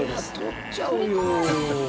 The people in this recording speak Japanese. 撮っちゃうよ。